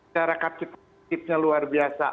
serakat cekutnya luar biasa